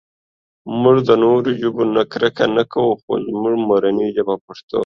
مونږ د نورو ژبو نه کرکه نهٔ کوؤ خو زمونږ مورنۍ ژبه پښتو ده